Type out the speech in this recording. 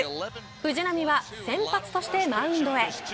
藤浪は先発としてマウンドへ。